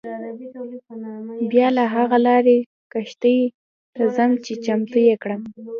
بیا له هغه لارې کښتۍ ته ځم چې چمتو یې کړم.